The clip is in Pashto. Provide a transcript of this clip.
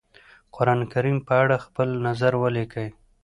قرآنکريم په اړه خپل نظر وليکی؟